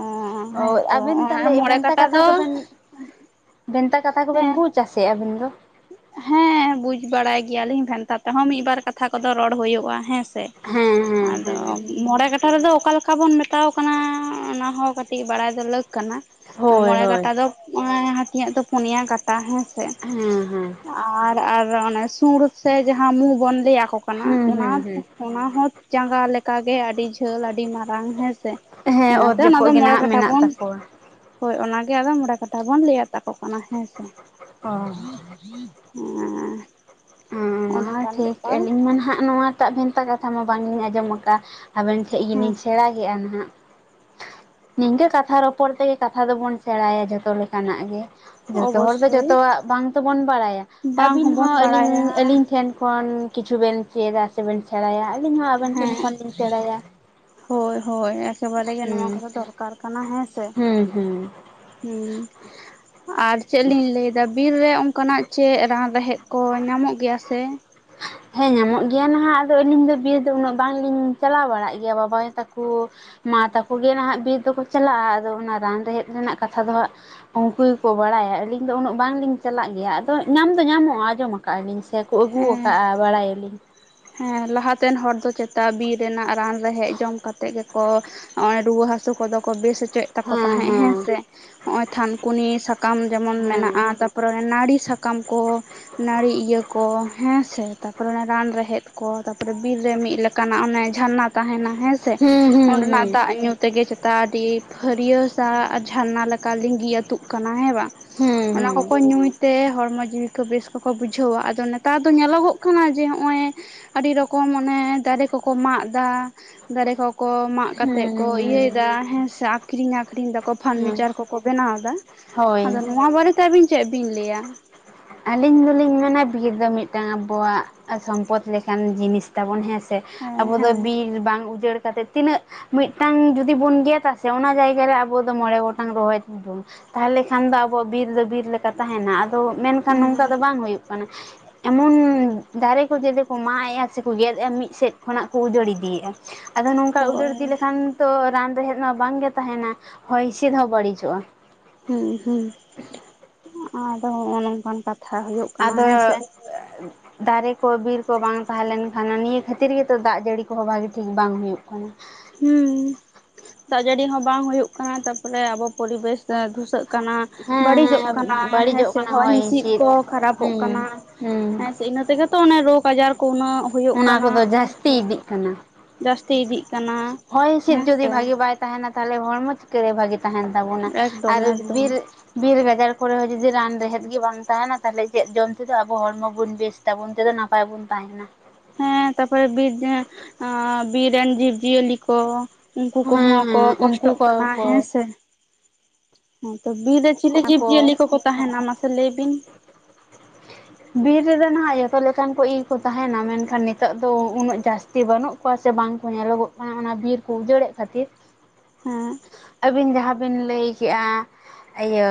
ᱚ ᱦᱮᱸᱛᱚ ᱟᱵᱤᱱ ᱚᱱᱟ ᱛᱟᱦᱞᱮ ᱢᱚᱬᱮ ᱵᱷᱮᱱᱛᱟ ᱠᱟᱴᱟ ᱠᱟᱛᱷᱟ ᱫᱚ ᱠᱚᱵᱮᱱ ᱵᱷᱮᱱᱛᱟ ᱠᱟᱛᱷᱟ ᱠᱚᱵᱮᱱ ᱦᱮᱸ ᱵᱩᱡ-ᱟ ᱥᱮ ᱟᱵᱤᱱ ᱫᱚ? ᱦᱮᱸ ᱵᱩᱡ ᱵᱟᱲᱟᱭ ᱜᱮᱭᱟᱞᱤᱧ ᱵᱷᱮᱱᱛᱟ ᱛᱮᱦᱚᱸ ᱢᱤᱫ-ᱵᱟᱨ ᱠᱟᱛᱷᱟ ᱠᱚᱫᱚ ᱨᱚᱲ ᱦᱳᱭᱳᱜᱼᱟ ᱦᱮᱸ ᱥᱮ ᱥᱮ ᱦᱮᱸ ᱦᱮᱸ ᱟᱫᱚ ᱦᱮᱸ ᱢᱚᱬᱮ ᱠᱟᱴᱷᱟ ᱨᱮᱫᱚ ᱚᱠᱟ ᱞᱮᱠᱟ ᱵᱚᱱ ᱢᱮᱛᱟᱣ ᱠᱟᱱᱟ ᱚᱱᱟ ᱦᱚᱸ ᱠᱟᱹᱴᱤᱡ ᱵᱟᱲᱟᱭ ᱫᱚ ᱞᱟᱹᱠ ᱠᱟᱱᱟ ᱦᱳᱭ ᱢᱚᱬᱮ ᱦᱳᱭ ᱠᱟᱴᱟ ᱫᱚ ᱦᱟᱹᱛᱡᱭᱟᱜ ᱫᱚ ᱯᱳᱸᱱᱭᱟ ᱠᱟᱴᱟ ᱦᱮᱸᱥᱮ ᱦᱮᱸ ᱦᱮᱸ ᱟᱨ ᱟᱨ ᱚᱱᱮ ᱥᱩᱲ ᱥᱮ ᱡᱟᱦᱟᱸ ᱢᱩ ᱵᱚᱱ ᱞᱟᱹᱭᱟ ᱠᱚ ᱚᱱᱟ ᱦᱩᱸ ᱦᱩᱸ ᱦᱩᱸ ᱚᱱᱟ ᱦᱚᱸ ᱡᱟᱸᱜᱟ ᱞᱮᱠᱟᱜᱮ ᱟᱹᱰᱤ ᱡᱷᱟᱹᱞ ᱟᱹᱰᱤ ᱢᱟᱨᱟᱝ ᱦᱮᱸᱥᱮ ᱦᱮᱸ ᱚᱛ ᱤᱱᱟᱹᱛᱮ ᱚᱱᱟ ᱫᱚ ᱡᱟᱹᱯᱩᱫ ᱜᱮ ᱢᱚᱬᱮ ᱱᱟᱦᱟᱜ ᱠᱟᱴᱷᱟ ᱢᱮᱱᱟᱜ ᱵᱚᱱ ᱛᱟᱠᱚᱣᱟ ᱦᱳᱭ ᱚᱱᱟᱜᱮ ᱟᱫᱚ ᱢᱚᱬᱮ ᱠᱟᱡᱷᱟ ᱵᱚᱱ ᱞᱟᱹᱭ ᱟᱛᱟᱠᱚ ᱠᱟᱱᱟ, ᱦᱮᱸᱥᱮ? ᱚ [unintelligible] ᱚᱱᱟ ᱚᱱᱮ ᱦᱚᱸ ᱚᱱᱠᱟᱱ ᱴᱷᱤᱠ ᱵᱮᱯᱟᱨ [unintelligible] ᱦᱟᱜ ᱱᱚᱣᱟ ᱮᱴᱟᱜ ᱵᱷᱮᱱᱛᱟ ᱠᱟᱛᱷᱟ ᱢᱟ ᱵᱟᱝᱞᱤᱧ ᱟᱸᱡᱚᱢ ᱟᱠᱟᱫᱼᱟ ᱟᱵᱮᱱ ᱴᱷᱮᱱ ᱜᱮᱞᱤᱧ ᱦᱮᱸ ᱥᱮᱬᱟ ᱠᱮᱜᱼᱟ ᱱᱟᱦᱟᱜ᱾ ᱱᱤᱝᱠᱟᱹ ᱠᱟᱛᱷᱟ ᱨᱚᱯᱚᱲ ᱛᱮᱜᱮ ᱠᱟᱛᱷᱟ ᱫᱚᱵᱚᱱ ᱥᱮᱬᱟᱭᱟ ᱡᱷᱚᱛᱚ ᱞᱮᱠᱟᱱᱟᱜ ᱜᱮ ᱡᱚᱛᱚ ᱦᱚᱲ ᱫᱚ ᱚᱵᱚᱥᱥᱳᱭ ᱡᱚᱛᱚᱣᱟᱜ ᱵᱟᱝ ᱛᱮᱵᱚᱱ ᱵᱟᱲᱟᱭᱟ ᱵᱟᱝ ᱟᱹᱵᱤᱱ ᱦᱚᱸᱵᱚᱱ ᱦᱚᱸ ᱵᱟᱲᱟᱭᱟ ᱟᱹᱞᱤᱧ ᱟᱹᱞᱤᱧ ᱴᱷᱮᱱ ᱠᱷᱚᱱ ᱠᱤᱪᱷᱩ ᱵᱮᱱ ᱪᱮᱫᱼᱟ ᱥᱮ ᱵᱮᱱ ᱥᱮᱬᱟᱭᱟ ᱟᱹᱞᱤᱧ ᱦᱚᱸ ᱟᱵᱮᱱ ᱦᱮᱸ ᱴᱷᱮᱱ ᱠᱷᱚᱱ ᱞᱤᱧ ᱥᱮᱬᱟᱭᱟ᱾ ᱦᱳᱭ ᱦᱳᱭ ᱮᱠᱮ ᱵᱟᱨᱮ ᱜᱮ ᱱᱚᱣᱟ ᱦᱩᱸ ᱠᱚᱫᱚ ᱫᱚᱨᱠᱟᱨ ᱠᱟᱱᱟ, ᱦᱮᱸ ᱥᱮ᱾ ᱦᱩᱸ ᱦᱩᱸ ᱦᱩᱸ, ᱟᱨ ᱪᱮᱫ ᱞᱤᱧ ᱞᱟᱹᱭᱫᱟ ᱵᱤᱨ ᱨᱮ ᱚᱱᱠᱟᱱᱟᱜ ᱪᱮᱫ ᱨᱟᱱ ᱨᱮᱦᱮᱫ ᱠᱚ ᱧᱟᱢᱚᱜ ᱜᱤᱭᱟ ᱥᱮ ᱦᱮᱸ ᱧᱟᱢᱚᱜ ᱜᱮᱭᱟ ᱱᱟᱦᱟᱜ ᱟᱫᱚ ᱟᱹᱞᱤᱧ ᱫᱚ ᱵᱤᱨ ᱫᱚ ᱩᱱᱟᱹᱜ ᱵᱟᱝᱞᱤᱧ ᱪᱟᱞᱟᱣ ᱵᱟᱲᱟᱜ ᱜᱮᱭᱟ ᱵᱟᱵᱟᱭᱳ ᱛᱟᱠᱚ ᱢᱟ ᱛᱟᱠᱚ ᱜᱮ ᱱᱟᱦᱟᱜ ᱵᱤᱨ ᱫᱚᱠᱚ ᱪᱟᱞᱟᱜᱼᱟ ᱟᱫᱚ ᱚᱱᱟ ᱨᱟᱱ ᱨᱮᱦᱮᱫ ᱨᱮᱱᱟᱜ ᱠᱟᱛᱷᱟ ᱫᱚ ᱦᱟᱸᱜ ᱩᱱᱠᱩ ᱜᱮᱠᱚ ᱵᱟᱲᱟᱭᱟ ᱟᱹᱞᱤᱧ ᱫᱚ ᱩᱱᱟᱹᱜ ᱵᱟᱝᱞᱤᱧ ᱪᱟᱞᱟᱜ ᱜᱮᱭᱟ ᱟᱫᱚ ᱧᱟᱢ ᱫᱚ ᱧᱟᱢᱚᱜᱼᱟ ᱟᱸᱡᱚᱢᱟ ᱟᱹᱞᱤᱧ ᱥᱮ ᱠᱚ ᱟᱹᱜᱩ ᱦᱮᱸ ᱟᱠᱟᱫᱼᱟ ᱵᱟᱲᱟᱭ ᱟᱸᱞᱤᱧ᱾ ᱦᱮᱸ ᱞᱟᱦᱟᱛᱮᱱ ᱦᱚᱲ ᱫᱚ ᱪᱮᱛᱟ ᱵᱤᱨ ᱨᱮᱱᱟᱜ ᱨᱟᱱ ᱨᱮᱦᱮᱡ ᱡᱚᱢ ᱠᱟᱛᱮᱜ ᱜᱮᱠᱚ ᱱᱚᱜᱼᱚᱭ ᱨᱩᱣᱟᱹ ᱦᱟᱹᱥᱳ ᱠᱚᱫᱚ ᱠᱚ ᱵᱮᱥ ᱪᱮᱜ ᱛᱟᱠᱚ ᱛᱟᱦᱮᱸᱫ ᱦᱮᱸ ᱥᱮ ᱱᱚᱜ-ᱚᱭ ᱛᱷᱟᱱᱠᱩᱱᱤ ᱥᱟᱠᱟᱢ ᱡᱮᱢᱚᱱ ᱢᱮᱱᱟᱜᱼᱟ, ᱛᱟ ᱛᱟᱯᱚᱨᱮ ᱱᱟᱹᱲᱤ ᱥᱟᱠᱟᱢ ᱠᱚ ᱱᱟᱹᱲᱤ ᱤᱭᱟᱹ ᱠᱚ ᱦᱮᱸ ᱥᱮ ᱛᱟᱯᱚᱨᱮ ᱚᱱᱮ ᱨᱟᱱ ᱨᱮᱦᱮᱫ ᱠᱚ ᱛᱟᱯᱚᱨᱮ ᱵᱤᱨ ᱨᱮ ᱢᱤᱫ ᱞᱮᱠᱟᱱᱟᱜ ᱚᱱᱮ ᱡᱷᱟᱨᱱᱟ ᱛᱟᱦᱮᱱᱟ ᱦᱮᱸ ᱥᱮ ᱚᱸᱰᱮᱱᱟᱜ ᱫᱟᱜ ᱧᱩ ᱛᱮᱜᱮ ᱪᱮᱛᱟ ᱟᱹᱰᱤ ᱯᱷᱟᱹᱨᱭᱟᱹ ᱥᱟ ᱡᱷᱟᱨᱱᱟ ᱞᱮᱠᱟ ᱞᱤᱸᱜᱤ ᱟᱹᱛᱩᱜ ᱠᱟᱱᱟ ᱦᱮᱸ ᱵᱟᱝ, ᱦᱩᱸ ᱦᱩᱸ ᱚᱱᱟ ᱦᱩᱸ ᱠᱚᱠᱚ ᱧᱩᱭᱛᱮ ᱦᱚᱲᱢᱚ ᱡᱤᱣᱤ ᱠᱚ ᱵᱮᱥ ᱠᱚᱠᱚ ᱵᱩᱡᱷᱟᱹᱣᱟ ᱟᱫᱚ ᱚᱱᱟ ᱟᱫᱚ ᱧᱮᱞᱚᱜᱚᱜ ᱠᱟᱱᱟ ᱡᱮ ᱦᱚᱜᱼᱚᱭ ᱟᱹᱰᱤ ᱨᱚᱠᱚᱢ ᱚᱱᱮ ᱫᱟᱨᱮ ᱠᱚᱠᱚ ᱢᱟᱜ ᱮᱫᱟ ᱫᱟᱨᱮ ᱠᱚ ᱠᱚ ᱢᱟᱜ ᱠᱟᱛᱮᱜ ᱠᱚ ᱦᱩᱸ ᱦᱩᱸ ᱤᱭᱟᱹᱭ ᱦᱩᱸ ᱫᱟ ᱦᱮᱸ ᱥᱮ ᱟᱠᱷᱨᱤᱧ ᱟᱠᱷᱨᱤᱧ ᱮᱫᱟᱠᱚ ᱦᱩᱸ ᱯᱷᱟᱨᱱᱤᱪᱟᱨ ᱠᱚᱠᱚ ᱵᱮᱱᱟᱣ ᱮᱫᱟ, ᱦᱳᱭ ᱟᱫᱚ ᱱᱚᱣᱟ ᱵᱟᱨᱮᱛᱮ ᱟᱹᱵᱤᱱ ᱪᱮᱫ ᱵᱤᱱ ᱞᱟᱹᱭᱟ? ᱟᱹᱞᱤᱧ ᱫᱚᱞᱤᱧ ᱢᱮᱱᱟ ᱵᱤᱨ ᱫᱚ ᱢᱤᱫᱴᱟᱝ ᱟᱵᱚᱣᱟᱜ ᱥᱚᱢᱯᱚᱫ ᱞᱮᱠᱟᱱ ᱡᱤᱱᱤᱥ ᱛᱟᱵᱚᱱ ᱦᱮᱸᱥᱮ, ᱦᱮᱸ ᱟᱵᱚ ᱫᱚ ᱦᱮᱸ ᱵᱤᱨ ᱵᱟᱝ ᱩᱡᱟᱹᱲ ᱠᱟᱛᱮ ᱛᱤᱱᱟᱹᱜ ᱢᱤᱫᱴᱟᱝ ᱡᱩᱫᱤ ᱵᱩᱱ ᱜᱮᱫᱟ ᱥᱮ ᱚᱱᱟ ᱡᱟᱭᱜᱟ ᱨᱮ ᱟᱵᱚ ᱫᱚ ᱢᱚᱬᱮ ᱜᱚᱴᱟᱝ ᱨᱚᱦᱚᱭ ᱛᱟᱦᱞᱮᱠᱷᱟᱱ ᱫᱚ ᱟᱵᱚᱣᱟᱜ ᱵᱤᱨ ᱫᱚ ᱵᱤᱨ ᱞᱮᱠᱟ ᱛᱟᱦᱮᱱᱟ ᱟᱫᱚ ᱢᱮᱱᱠᱷᱟᱱ ᱱᱚᱝᱠᱟ ᱦᱮᱸ ᱫᱚ ᱵᱟᱝ ᱦᱳᱭᱳᱜ ᱠᱟᱱᱟ᱾ ᱮᱢᱚᱱ ᱫᱟᱨᱮ ᱠᱚ ᱡᱮᱫᱮ ᱠᱚ ᱢᱟᱜ ᱮᱼᱟ ᱥᱮᱠᱚ ᱜᱮᱫ ᱮᱼᱟ ᱢᱤᱫ ᱥᱮᱫ ᱠᱷᱚᱱᱟᱜ ᱠᱚ ᱩᱡᱟᱹᱲ ᱤᱫᱤᱭᱮᱫᱼᱟ᱾ ᱟᱫᱚ ᱱᱚᱝᱠᱟ ᱩᱡᱟᱹᱲ ᱤᱫᱤ ᱦᱳᱭ ᱞᱮᱠᱷᱟᱱ ᱛᱚ ᱨᱟᱱ ᱨᱮᱦᱮᱫ ᱢᱟ ᱵᱟᱝ ᱜᱮ ᱛᱟᱦᱮᱱᱟ ᱦᱚᱭ ᱦᱤᱸᱥᱤᱫ ᱦᱚᱸ ᱵᱟᱹᱲᱤᱡᱚᱜᱼᱟ᱾ ᱦᱩᱸ ᱦᱩᱸ ᱟᱫᱚ ᱦᱚᱜ-ᱚ ᱱᱚᱝᱠᱟᱱ ᱠᱟᱛᱷᱟ ᱦᱳᱭᱳᱜ ᱟᱫᱚ, ᱫᱟᱨᱮ ᱠᱚ ᱵᱤᱨ ᱠᱚ ᱵᱟᱝ ᱛᱟᱦᱮᱸ ᱞᱱᱠᱷᱟᱱ ᱱᱤᱭᱟᱹ ᱠᱷᱟᱹᱛᱤᱨ ᱜᱮᱛᱚ ᱫᱟᱜ ᱡᱟᱹᱲᱤ ᱠᱚᱦᱚᱸ ᱵᱷᱟᱹᱜᱤ ᱴᱷᱤᱠ ᱵᱟᱝ ᱦᱩᱭᱩᱜ ᱠᱟᱱᱟ᱾ ᱦᱮᱸ ᱫᱟᱜ ᱡᱟᱟᱹᱲᱤ ᱦᱚᱸ ᱵᱟᱝ ᱦᱩᱭᱩᱜ ᱠᱟᱱᱟ ᱛᱟᱯᱚᱨᱮ ᱟᱵᱚ ᱯᱚᱨᱤᱵᱮᱥ ᱫᱷᱩᱥᱟᱹᱜ ᱠᱟᱱᱟ᱾ ᱦᱮᱸ ᱵᱟᱹᱲᱤᱡᱚᱜ ᱠᱟᱱᱟ ᱦᱮᱸ ᱦᱮᱸ ᱵᱟᱹᱲᱤᱡᱚᱜ ᱥᱮ ᱠᱟᱱᱟ ᱦᱚᱭ ᱦᱤᱸᱥᱤᱫ ᱠᱚ ᱠᱷᱟᱨᱟᱯᱚᱜ ᱠᱟᱱᱟ ᱦᱩᱸ ᱦᱮ ᱦᱩᱸ ᱤᱱᱟᱹ ᱛᱮᱜᱮ ᱛᱚ ᱚᱱᱮ ᱨᱳᱜᱽ ᱟᱡᱟᱨ ᱠᱚ ᱩᱱᱟᱹᱜ ᱦᱳᱭᱳᱜ ᱚᱱᱟ ᱠᱟᱱᱟ ᱠᱚᱫᱚ ᱦᱮ ᱥᱮ ᱡᱟᱹᱥᱛᱤ ᱤᱫᱤᱜ ᱠᱟᱱᱟ ᱡᱟᱹᱥᱛᱤ ᱤᱫᱤᱜ ᱠᱟᱱᱟ᱾ ᱦᱚᱭ ᱦᱤᱸᱥᱤᱫ ᱦᱮᱸ ᱡᱚᱫᱤ ᱥᱮ ᱵᱷᱟᱜᱤ ᱵᱟᱭ ᱛᱟᱦᱮᱸᱱᱟ ᱛᱟᱦᱚᱞᱮ ᱦᱚᱲᱢᱚ ᱪᱤᱠᱟᱹ ᱨᱮ ᱵᱷᱟᱹᱜᱤ ᱛᱟᱦᱮᱱ ᱛᱟᱵᱚᱱᱟ, ᱮᱠᱫᱚᱢ ᱟᱨ ᱮᱠᱫᱚᱢ ᱵᱤᱨ ᱵᱤᱨ ᱜᱟᱡᱟᱲ ᱠᱚᱨᱮ ᱦᱚᱸ ᱡᱩᱫᱤ ᱨᱟᱱ ᱨᱮᱹᱦᱮᱫ ᱜᱮ ᱵᱟᱝ ᱛᱟᱦᱮᱱᱟ ᱛᱟᱦᱚᱞᱮ ᱪᱮᱫ ᱡᱚᱢ ᱛᱮᱫᱚ ᱟᱵᱚ ᱦᱚᱲᱢᱚ ᱵᱚᱱ ᱵᱮᱥ ᱛᱟᱵᱚᱱ ᱛᱮᱫᱚ ᱱᱟᱯᱟᱭ ᱵᱚᱱ ᱛᱟᱦᱮᱱᱟ᱾ ᱦᱮᱸ ᱛᱟᱨᱯᱚᱨᱮ ᱵᱤᱨ ᱡᱮ ᱵᱤᱨ ᱨᱮᱱ ᱡᱤᱵ ᱡᱤᱭᱟᱹᱞᱤ ᱠᱚ, ᱩᱱᱠᱩ ᱦᱮᱸ ᱠᱚᱦᱚᱸ ᱦᱮᱸ ᱠᱚ ᱩᱱᱠᱩ ᱠᱚᱥᱴᱚᱜ ᱠᱚ ᱠᱟᱱᱟ ᱠᱚ ᱦᱮᱸᱥᱮ ᱚ ᱛᱚ ᱵᱤᱨ ᱨᱮ ᱪᱟᱹᱞᱤ ᱚᱱᱟ ᱡᱤᱵᱽᱡᱤᱭᱟᱹᱞᱤ ᱠᱚ ᱠᱚᱠᱚ ᱛᱟᱦᱮᱱᱟ ᱢᱟᱥᱮ ᱞᱟᱹᱭ ᱵᱤᱱ? [inaudible] ᱵᱤᱨ ᱨᱮᱫᱚ ᱱᱟᱦᱟᱸᱜ ᱡᱚᱛᱚ ᱞᱮᱠᱟᱱ ᱠᱚ ᱤᱭᱟᱹᱠᱚ ᱛᱟᱦᱮᱱᱟ ᱢᱮᱱᱠᱷᱟᱱ ᱱᱤᱛᱚᱜ ᱫᱚ ᱩᱱᱟᱹᱜ ᱡᱟᱹᱥ ᱛᱤ ᱵᱟᱹᱱᱩᱜ ᱠᱚᱣᱟ ᱥᱮ ᱵᱟᱝ ᱠᱚ ᱧᱮᱞᱚᱜᱚᱜ ᱠᱟᱱᱟ ᱚᱱᱟ ᱵᱤᱨ ᱠᱚ ᱩᱡᱟᱹᱲᱮᱫ ᱠᱷᱟᱹᱛᱤᱨ᱾ ᱦᱮᱸ ᱟᱹᱵᱤᱱ ᱡᱟᱦᱟᱸ ᱵᱤᱱ ᱞᱟᱹᱭ ᱠᱮᱫᱮᱜᱼᱟ, ᱤᱭᱟᱹ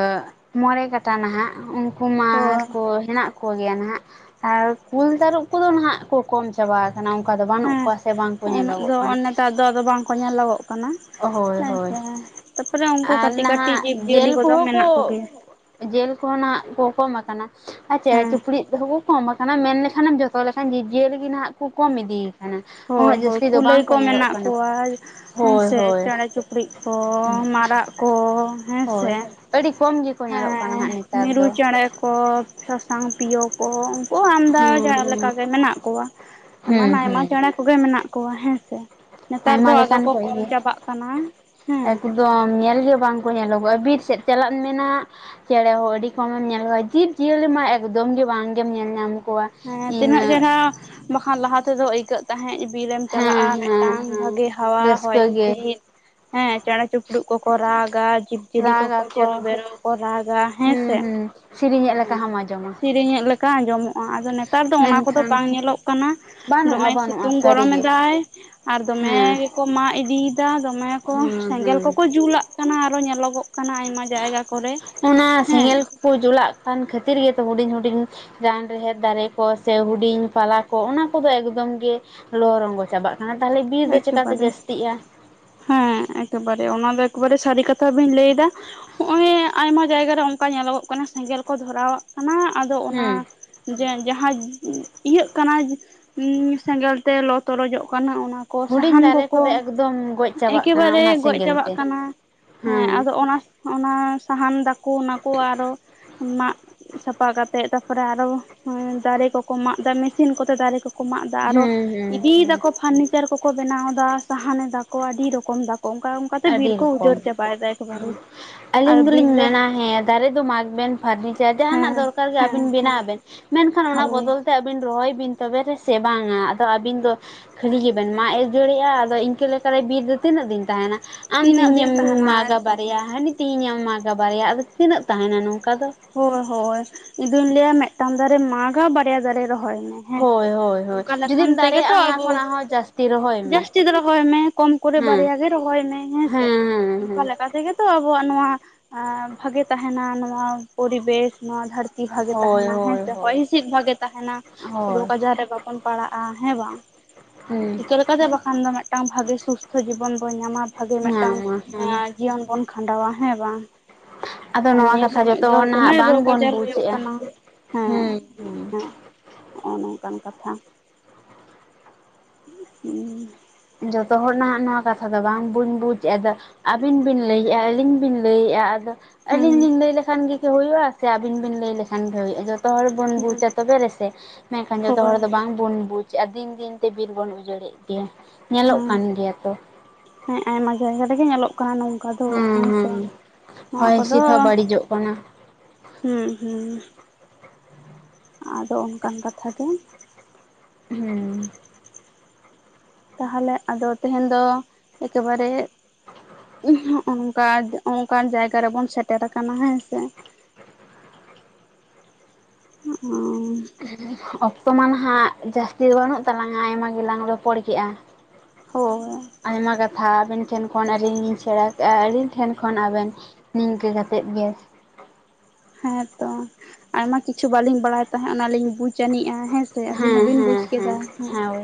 ᱢᱚᱬᱮ ᱠᱟᱴᱟ ᱱᱟᱦᱟᱸᱜ ᱩᱱᱠᱩ ᱦᱳᱭ ᱢᱟᱠᱚ ᱦᱮᱱᱟᱜ ᱠᱚ ᱜᱮᱭᱟ ᱱᱟᱦᱟᱸᱜ ᱟᱨ ᱠᱩᱞ ᱛᱟᱹᱨᱩᱵ ᱠᱚᱫᱚ ᱱᱟᱦᱟᱸᱜ ᱠᱚ ᱠᱚᱢ ᱪᱟᱵᱟ ᱠᱟᱱᱟ ᱚᱱᱠᱟ ᱫᱚ ᱵᱟᱹᱱᱩᱜ ᱦᱮᱸ ᱠᱚᱣᱟ ᱥᱮ ᱵᱟᱝ ᱠᱚ ᱩᱱᱟᱹᱜ ᱧᱮᱞᱚᱜᱚᱜ ᱫᱚ ᱠᱟᱱᱟ᱾ ᱱᱮᱛᱟᱨ ᱫᱚ ᱟᱫᱚ ᱵᱟᱝᱠᱚ ᱧᱮᱞᱚᱜᱚᱜ ᱠᱟᱱᱟ ᱦᱳᱭ ᱦᱳᱭ ᱦᱮᱸᱥᱮ ᱛᱟᱯᱚᱨᱮ ᱩᱱᱠᱩ ᱟᱨ ᱠᱟᱹᱴᱤᱡ ᱠᱟᱹᱴᱤᱡ ᱡᱤᱵᱽ ᱱᱟᱦᱟᱸᱜ ᱡᱤᱭᱟᱹᱞᱤ ᱡᱮᱞ ᱠᱚ ᱩᱱᱠᱩ [unintelligible] ᱠᱚᱫᱚ ᱦᱚᱸ ᱠᱚ ᱢᱮᱱᱟᱜ ᱠᱚᱜᱮᱭᱟ ᱡᱮᱞ ᱠᱷᱚᱱᱟᱜ ᱠᱚ ᱠᱚᱢ ᱟᱠᱟᱱᱟ ᱟᱨ ᱪᱮᱬᱮ ᱦᱮᱸ ᱪᱤᱯᱲᱩᱫ ᱦᱚᱸᱠᱩ ᱠᱚᱢ ᱟᱠᱟᱱᱟ ᱢᱮᱱᱞᱠᱷᱟᱱᱮᱢ ᱡᱚᱛᱚ ᱞᱮᱠᱷᱟᱱ ᱡᱤᱵᱽ-ᱡᱤᱭᱟᱹᱞᱤᱜ ᱜᱮ ᱱᱟᱦᱟᱸᱜ ᱠᱚᱢ ᱤᱫᱤ ᱟᱠᱟᱱᱟ ᱦᱳᱭ ᱩᱱᱟᱹᱜ ᱦᱳᱭ ᱡᱟᱹᱥᱛᱤ ᱫᱚ ᱠᱩᱞᱟᱹᱭ ᱵᱟᱝ ᱠᱚ ᱧᱮᱞᱚᱜ ᱢᱮᱱᱟᱜ ᱠᱟᱱᱟ ᱠᱚᱣᱟ ᱦᱳᱭ ᱦᱮᱸᱥᱮ ᱦᱳᱭ ᱪᱮᱬᱮ ᱪᱩᱯ ᱠᱲᱤᱡ ᱠᱚ ᱢᱟᱨᱟᱜ ᱠᱚ ᱦᱮᱸᱥᱮ᱾ ᱦᱳᱭ ᱟᱹᱰᱤ ᱠᱚᱢ ᱜᱮᱠᱚ ᱧᱮᱞᱚᱜ ᱠᱟᱱᱟ ᱦᱮᱸ ᱦᱟᱸᱜ ᱱᱮᱛᱟᱨ ᱢᱤᱨᱩ ᱫᱚ ᱪᱮᱬᱮ ᱠᱚ ᱥᱟᱥᱟᱝ ᱯᱤᱭᱳ ᱠᱚ ᱩᱱᱠᱩ ᱟᱢᱫᱟ ᱦᱩᱸ ᱡᱟ ᱞᱮᱠᱟ ᱦᱩᱸ ᱜᱮ ᱢᱮᱱᱟᱜ ᱠᱚᱣᱟ ᱮᱢᱟᱱ ᱦᱩᱸ ᱟᱭᱢᱟ ᱦᱩᱸ ᱚᱱᱟ ᱠᱚᱜᱮ ᱢᱮᱱᱟᱜ ᱠᱚᱣᱟ ᱦᱮᱸᱥᱮ ᱱᱮᱛᱟᱨ ᱫᱚ ᱟᱭᱢᱟ ᱟᱫᱚ ᱞᱮᱠᱟᱱ ᱠᱚ ᱠᱚᱢ ᱜᱮ ᱪᱟᱵᱟᱜ ᱠᱟᱱᱟ ᱦᱮᱸ ᱮᱠᱫᱚᱢ ᱧᱮᱞ ᱜᱮ ᱵᱟᱝᱠᱚ ᱧᱮᱞᱚᱜᱚᱜᱼᱟ ᱵᱤᱨ ᱥᱮᱫ ᱪᱟᱞᱟᱜ ᱢᱮᱱᱟ ᱪᱮᱬᱮ ᱦᱚᱸ ᱟᱹᱰᱤ ᱠᱚᱢᱮᱢ ᱧᱮᱞ ᱠᱚᱣᱟ ᱡᱤᱵᱽ ᱡᱤᱭᱟᱹᱞᱤ ᱢᱟ ᱮᱠᱫᱚᱢ ᱜᱮ ᱵᱟᱝᱜᱮᱢ ᱧᱮᱞ ᱧᱟᱢ ᱠᱚᱣᱟ᱾ ᱦᱮᱸ ᱛᱤᱱᱟᱹᱜ ᱤᱱᱟᱹ ᱪᱮᱨᱦᱟ ᱵᱟᱠᱷᱟᱱ ᱞᱟᱦᱟ ᱛᱮᱫᱚ ᱟᱹᱭᱠᱟᱹᱜ ᱛᱟᱦᱮᱸᱫ ᱵᱤᱨ ᱮᱢ ᱦᱮᱸ ᱪᱟᱞᱟᱜᱼᱟ ᱦᱮᱸ ᱢᱤᱫᱴᱟᱝ ᱦᱮᱸ ᱵᱷᱟᱹᱜᱤ ᱦᱟᱣᱟ ᱦᱚᱭ ᱨᱟᱹᱥᱠᱟᱹ ᱜᱮ ᱦᱤᱥᱤᱫ ᱦᱮᱸ ᱪᱮᱬᱮ ᱪᱤᱯᱲᱩᱫ ᱠᱚᱠᱚ ᱨᱟᱜᱟ ᱡᱤᱵᱽ ᱡᱤᱭᱟᱹᱞᱤ ᱠᱚᱠᱚ ᱪᱮᱨᱚ ᱨᱟᱜᱟᱠᱚ ᱵᱮᱨᱚ ᱠᱚ ᱨᱟᱜᱟ ᱦᱩᱸ ᱦᱮᱸᱥᱮ, ᱦᱩᱸ ᱥᱮᱨᱮᱧᱮᱫ ᱞᱮᱠᱟ ᱦᱚᱸᱢ ᱟᱸᱡᱚᱢᱟ᱾ ᱠᱟ ᱟᱸᱡᱚᱢᱚᱜᱼᱟ ᱟᱫᱚ ᱱᱮᱛᱟᱨ ᱫᱚ ᱚᱱᱟ ᱠᱚᱫᱚ ᱢᱮᱱᱠᱷᱟᱱ ᱵᱟᱝ ᱧᱮᱞᱚᱜ ᱠᱟᱱᱟ᱾ ᱵᱟᱹᱱᱩᱜᱼᱟ ᱫᱚᱢᱮ ᱵᱟᱹᱱᱩᱜᱼᱟ ᱥᱤᱛᱩᱝ ᱥᱟᱹᱨᱤᱜᱮ ᱜᱚᱨᱚᱢᱫᱟᱭ ᱟᱨ ᱦᱮᱸ ᱫᱚᱢᱮ ᱠᱚ ᱢᱟᱜ ᱤᱫᱤᱭᱮᱫᱟ ᱫᱚᱢᱮ ᱠᱚ ᱦᱩᱸ ᱥᱮᱸᱜᱮᱞ ᱦᱩᱸ ᱠᱚᱠᱚ ᱡᱩᱞᱟᱜ ᱠᱟᱱᱟ ᱟᱨᱚ ᱧᱮᱞᱚᱜᱚᱜ ᱠᱟᱱᱟ ᱟᱭᱢᱟ ᱡᱟᱭᱜᱟ ᱠᱚᱨᱮ ᱚᱱᱟ ᱦᱮᱸ ᱥᱮᱸᱜᱮᱞ ᱠᱚᱠᱚ ᱡᱩᱞᱟᱜ ᱠᱟᱱ ᱠᱷᱟᱹᱛᱤᱨ ᱜᱮᱛᱚ ᱦᱩᱰᱤᱧ ᱦᱩᱰᱤᱧ ᱨᱟᱱ ᱨᱮᱦᱮᱫ ᱫᱟᱨᱮ ᱠᱚ ᱥᱮ ᱦᱩᱰᱤᱧ ᱯᱟᱞᱟ ᱠᱚ ᱚᱱᱟ ᱠᱚᱫᱚ ᱮᱠᱫᱚᱢ ᱜᱮ ᱞᱚ ᱨᱚᱝᱜᱚ ᱪᱟᱵᱟᱜ ᱢᱟ ᱛᱟᱦᱚᱞᱮ ᱵᱤᱨ ᱫᱚ ᱪᱮᱠᱟᱛᱮ ᱮᱠᱮᱵᱟᱨᱮ ᱡᱟᱹᱥᱛᱤᱜᱼᱟ᱾ ᱦᱮᱸ ᱮᱠᱮᱵᱟᱨᱮ ᱚᱱᱟ ᱫᱚ ᱮᱠᱮᱵᱟᱨᱮ ᱥᱟᱹᱨᱤ ᱠᱟᱛᱷᱟ ᱵᱤᱱ ᱞᱟᱹᱭ ᱮᱫᱟ᱾ ᱱᱚᱜᱼᱚᱭ ᱟᱭᱢᱟ ᱡᱟᱭᱜᱟᱨᱮ ᱚᱱᱠᱟ ᱧᱮᱞᱚᱜᱚᱜ ᱠᱟᱱᱟ ᱥᱮᱸᱜᱮᱞ ᱠᱚ ᱫᱷᱚᱨᱟᱣᱟᱜ ᱠᱟᱱᱟ ᱟᱫᱚ ᱚᱱᱟ ᱦᱩᱸ ᱡᱮ ᱡᱟᱦᱟᱸ ᱤᱭᱟᱹᱜ ᱠᱟᱱᱟ ᱥᱮᱸᱜᱮᱞ ᱛᱮ ᱞᱚ ᱛᱚᱨᱚᱡᱚᱜ ᱠᱟᱱᱟ ᱚᱱᱟ ᱠᱚ ᱦᱩᱰᱤᱧ ᱥᱟᱦᱟᱱ ᱫᱟᱨᱮ ᱠᱚᱠᱚ ᱠᱚᱫᱚ ᱮᱠᱫᱚᱢ ᱜᱚᱡ ᱪᱟᱵᱟᱜ ᱠᱟᱱᱟ ᱮᱠᱮᱵᱟᱨᱮ ᱚᱱᱟ ᱜᱚᱡ ᱥᱮᱸᱜᱮᱞ ᱪᱟᱵᱟᱜ ᱛᱮ ᱠᱟᱱᱟ᱾ ᱦᱮᱸ ᱟᱫᱚ ᱚᱱᱟ ᱚᱱᱟ ᱥᱟᱦᱟᱱ ᱫᱟᱠᱚ ᱚᱱᱟᱠᱚ ᱟᱨᱚ ᱢᱟᱜ ᱥᱟᱯᱟ ᱠᱟᱛᱮᱜ ᱛᱟᱯᱚᱨᱮ ᱟᱨᱚ ᱫᱟᱨᱮ ᱠᱚᱠᱚ ᱢᱟᱜ ᱮᱫᱟ ᱢᱮᱥᱤᱱ ᱠᱚᱛᱮ ᱫᱟᱨᱮ ᱠᱚ ᱢᱟᱜ ᱫᱟ ᱟᱨᱚ ᱦᱩᱸ ᱦᱩᱸ ᱤᱫᱤᱭ ᱦᱩᱸ ᱫᱟᱠᱚ ᱯᱷᱟᱨᱱᱤᱪᱟᱨ ᱠᱚᱠᱚ ᱵᱮᱱᱟᱣ ᱮᱫᱟ ᱥᱟᱦᱟᱱ ᱫᱟᱠᱚ ᱟᱹᱰᱤ ᱨᱚᱠᱚᱢ ᱫᱟᱠᱚ ᱚᱱᱠᱟ ᱚᱱᱠᱟᱛᱮ ᱵᱤᱨ ᱟᱹᱰᱤ ᱠᱚ ᱨᱚᱠᱚᱢ ᱩᱡᱚᱨ ᱪᱟᱵᱟᱭᱫᱟ ᱮᱠᱵᱟᱨᱮ ᱦᱩᱸ ᱟᱨ ᱟᱹᱞᱤᱧ ᱵᱤᱨ ᱫᱚᱞᱤᱧ ᱨᱮ ᱢᱮᱱᱟ ᱦᱮᱸ ᱫᱟᱨᱮ ᱫᱚ ᱢᱟᱜᱽᱵᱮᱱ ᱯᱷᱟᱨᱱᱤᱪᱟᱨ ᱡᱟᱦᱟᱸᱱᱟᱜ ᱦᱮᱸ ᱫᱚᱨᱠᱟᱨ ᱜᱮ ᱦᱮᱸ ᱟᱹᱵᱤᱱ ᱵᱮᱱᱟᱣ ᱵᱮᱱ᱾ ᱢᱮᱱᱠᱷᱟᱱ ᱚᱱᱟ ᱦᱳᱭ ᱵᱚᱫᱚᱞ ᱛᱮ ᱟᱹᱵᱤᱱ ᱨᱚᱦᱚᱭ ᱵᱤᱱ ᱛᱚᱵᱮ ᱨᱮᱥᱮ ᱵᱟᱝᱟ ᱟᱫᱚ ᱟᱹᱵᱤᱱ ᱫᱚ, ᱠᱷᱟᱹᱞᱤ ᱜᱮᱵᱮᱱ ᱢᱟᱜ ᱟᱹᱡᱟᱹᱲᱮᱜᱼᱟ, ᱟᱫᱚ ᱤᱱᱠᱟᱹ ᱞᱮᱠᱟ ᱨᱮ ᱵᱤᱨ ᱫᱚ ᱛᱤᱱᱟᱹᱜ ᱫᱤᱱ ᱛᱟᱦᱮᱱᱟ? ᱟᱢ ᱛᱤᱱᱟᱹᱜ ᱛᱮᱦᱮᱧ ᱫᱤᱱ ᱮᱢ ᱛᱟᱦᱮᱱᱟ ᱢᱟᱜᱟ ᱮᱠᱫᱚᱢ ᱵᱟᱨᱮᱭᱟ, ᱦᱟᱱᱤ ᱛᱮᱦᱮᱧ ᱮ ᱢᱟᱜᱟ ᱵᱟᱨᱭᱟ, ᱟᱫᱚ ᱛᱤᱱᱟᱹᱜ ᱛᱟᱦᱮᱱᱟ ᱱᱚᱝᱠᱟ ᱫᱚ? ᱦᱳᱭ ᱦᱳᱭ ᱤᱧ ᱫᱩᱧ ᱞᱟᱹᱭᱟ ᱢᱤᱫᱴᱟᱝ ᱫᱟᱨᱮ ᱢᱟᱜᱟ ᱵᱟᱨᱭᱟ ᱫᱟᱨᱮ ᱨᱚᱦᱚᱭ ᱢᱮ᱾ ᱦᱮᱸ ᱥᱮ ᱦᱳᱭ ᱦᱳᱭ ᱦᱳᱭ ᱚᱱᱠᱟ ᱞᱮᱠᱷᱟᱱ ᱡᱩᱫᱤᱢ ᱛᱮᱜᱮ ᱫᱟᱲᱮᱭᱟᱜᱼᱟ ᱛᱚ ᱚᱱᱟ ᱟᱵᱚ ᱠᱷᱚᱱᱟᱜ ᱦᱚᱸ ᱡᱟᱹᱥᱛᱤ ᱨᱚᱦᱚᱭ ᱢᱮ ᱡᱟᱹᱥᱛᱤ ᱫᱚ ᱨᱚᱦᱚᱭ ᱢᱮ᱾ ᱠᱚᱢ ᱠᱚᱨᱮ ᱦᱮᱸ ᱵᱟᱨᱭᱟ ᱜᱮ ᱨᱚᱦᱚᱭ ᱢᱮ ᱦᱮᱸ ᱥᱮ ᱦᱮᱸ ᱚᱱᱠᱟ ᱦᱮᱸ ᱞᱮᱠᱟ ᱛᱮᱜᱮ ᱛᱚ ᱟᱵᱚᱣᱟᱜ ᱱᱚᱣᱟ ᱮ ᱵᱷᱟᱜᱮ ᱛᱟᱦᱮᱱᱟ ᱱᱚᱣᱟ ᱯᱚᱨᱤᱵᱮᱥ ᱱᱚᱣᱟ ᱫᱷᱟᱹᱨ ᱛᱤ ᱵᱷᱟᱜᱮ ᱦᱳᱭ ᱛᱟᱦᱮᱱᱟ ᱦᱮᱸ ᱦᱳᱭ ᱥᱮ, ᱦᱳᱭ ᱦᱚᱭ ᱦᱤᱸᱥᱤᱫ ᱵᱷᱟᱜᱮ ᱛᱟᱦᱮᱱᱟ᱾ ᱦᱳᱭ ᱨᱳᱜᱽ ᱟᱡᱟᱜ ᱨᱮ ᱵᱟᱵᱚᱱ ᱯᱟᱲᱟᱜᱼᱟ ᱦᱮᱸ ᱵᱟᱝ᱾ ᱦᱮᱸ ᱛᱚ ᱵᱟᱠᱷᱟᱱ ᱫᱚ ᱢᱤᱫᱴᱟᱝ ᱵᱷᱟᱜᱮ ᱥᱩᱥᱛᱷᱚ ᱡᱤᱵᱚᱱ ᱵᱚᱱ ᱧᱟᱢᱟ, ᱵᱷᱟᱜᱮ ᱢᱤᱫᱴᱟᱝ ᱧᱟᱢᱟ ᱦᱮᱸ ᱮ ᱡᱤᱭᱚᱱ ᱵᱚᱱ ᱠᱷᱟᱸᱰᱟᱣᱟ ᱦᱮᱸ ᱵᱟᱝ᱾ ᱟᱫᱚ ᱟᱨ ᱱᱚᱣᱟ ᱱᱤᱭᱟᱹ ᱠᱟᱛᱷᱟ ᱥᱚᱢᱚᱭ ᱡᱚᱛᱚ ᱫᱚ ᱦᱚᱲ ᱫᱚᱢᱮ ᱱᱟᱦᱟᱜ ᱨᱳᱜᱽ ᱵᱟᱝᱵᱚᱱ ᱟᱡᱟᱨ ᱦᱩᱭᱩᱜ ᱵᱩᱡᱮᱜᱼᱟ ᱠᱟᱱᱟ ᱦᱮᱸ, ᱦᱩᱸ ᱦᱮᱸ ᱦᱚᱸᱜᱼᱚᱭ ᱱᱚᱝᱠᱟᱱ ᱠᱟᱛᱷᱟ [inaudible] ᱡᱚᱛᱚ ᱦᱚᱲ ᱱᱟᱦᱟᱸᱜ ᱱᱚᱣᱟ ᱠᱟᱛᱷᱟ ᱫᱚ ᱵᱟᱝ ᱵᱩᱧ ᱵᱩᱡᱽ ᱮᱫᱟ ᱟᱫᱚ ᱟᱹᱵᱤᱱ ᱵᱤᱱ ᱞᱟᱹᱭᱮᱫᱼᱟ, ᱟᱹᱞᱤᱧ ᱵᱤᱱ ᱞᱟᱹᱭᱮᱫᱼᱟ, ᱟᱫᱚ ᱦᱩᱸ ᱟᱹᱞᱤᱧ ᱞᱤᱧ ᱞᱟᱹᱭ ᱞᱮᱠᱷᱟᱱ ᱜᱮ ᱠᱤ ᱦᱩᱭᱩᱜᱼᱟ, ᱥᱮ ᱟᱹᱵᱤᱱ ᱵᱤᱱ ᱞᱟᱹᱭ ᱞᱮᱠᱷᱟᱱ ᱜᱮ ᱦᱩᱭᱩᱜᱼᱟ, ᱡᱚᱛ ᱡᱚᱛᱚ ᱦᱚᱲ ᱵᱚᱱ ᱦᱩᱸ ᱵᱩᱡᱟ ᱛᱚᱵᱮ ᱨᱮᱥᱮ ᱢᱮᱱᱠᱷᱟᱱ ᱡᱚᱛᱚ ᱦᱳᱭ ᱦᱚᱲ ᱫᱚ ᱵᱟᱝᱵᱚᱱ ᱵᱩᱡᱽ ᱪᱮᱫ ᱫᱤᱱ ᱫᱤᱱ ᱛᱮ ᱵᱤᱨ ᱵᱚᱱ ᱩᱡᱟᱹᱲᱮᱫ ᱜᱮᱭᱟ, ᱧᱮᱞᱚᱜ ᱦᱮᱸ ᱠᱟᱱ ᱜᱮᱭᱟ ᱛᱚ᱾ ᱦᱮᱸ ᱟᱭᱢᱟ ᱡᱟᱭᱜᱟ ᱨᱮᱜᱮ ᱧᱮᱞᱚᱜ ᱠᱟᱱᱟ ᱱᱚᱝᱠᱟ ᱫᱚ ᱦᱮᱸ ᱥᱮ ᱱᱚᱣᱟ ᱦᱚᱭ ᱠᱚᱫᱚ ᱦᱤᱸᱥᱤᱫ ᱦᱚᱸ ᱵᱟᱹᱲᱤᱡᱚᱜ ᱠᱟᱱᱟ ᱦᱩᱸ ᱦᱩᱸ ᱟᱫᱚ ᱚᱱᱠᱟᱱ ᱠᱟᱛᱷᱟ ᱜᱮ ᱦᱩᱸ ᱛᱟᱦᱟᱞᱮ ᱟᱫᱚ ᱛᱮᱦᱮᱧ ᱫᱚ ᱮᱠᱮᱵᱟᱨᱮ‌ [unintelligible] ᱚᱱᱠᱟ ᱚᱱᱠᱟᱱ ᱡᱟᱭᱜᱟ ᱨᱮᱵᱚᱱ ᱥᱮᱴᱮᱨ ᱟᱠᱟᱱᱟ ᱦᱮᱸ ᱥᱮ᱾ ᱚ [unintelligible] ᱚᱠᱛᱚ ᱢᱟ ᱱᱟᱦᱟᱸᱜ ᱡᱟᱹᱥᱛᱤ ᱫᱚ ᱵᱟᱹᱱᱩᱜ ᱛᱟᱞᱟᱝ-ᱟ ᱟᱭᱢᱟ ᱜᱮᱞᱟᱝ ᱨᱚᱯᱚᱲ ᱠᱮᱜᱼᱟ᱾ ᱦᱳᱭ ᱟᱭᱢᱟ ᱠᱟᱛᱷᱟ ᱟᱵᱮᱱ ᱴᱷᱮᱱ ᱠᱷᱚᱱ ᱟᱹᱞᱤᱧ ᱞᱤᱧ ᱥᱮᱬᱟ ᱠᱮᱜᱼᱟ, ‌ ᱟᱹᱞᱤᱧ ᱴᱷᱮᱱ ᱠᱷᱚᱱ ᱟᱵᱮᱱ᱾ ᱱᱤᱝᱠᱟᱹ ᱠᱟᱛᱮᱫ ᱜᱮ ᱦᱮᱸᱛᱚ ᱟᱭᱢᱟ ᱠᱤᱪᱷᱩ ᱵᱟᱹᱞᱤᱧ ᱵᱟᱲᱟᱭ ᱛᱟᱦᱮᱸᱜ ᱚᱱᱟᱞᱤᱧ ᱵᱩᱡᱽ ᱟᱹᱱᱤᱡᱼᱟ᱾ ᱦᱮᱸᱥᱮ ᱟᱵᱤᱱ ᱦᱮᱸ ᱦᱚᱸᱵᱤᱱ ᱵᱩᱡᱽ ᱦᱮᱸ ᱦᱮᱸ ᱠᱮᱫᱟ ᱦᱮᱸ᱾ ᱦᱳᱭ